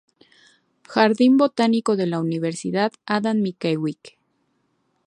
Botanic Garden of Adam Mickiewicz University.